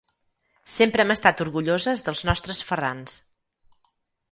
Sempre hem estat orgulloses dels nostres Ferrans.